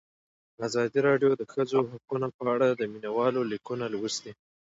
ازادي راډیو د د ښځو حقونه په اړه د مینه والو لیکونه لوستي.